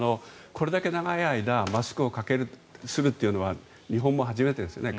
これだけ長い間マスクをするっていうのは日本も初めてですよね。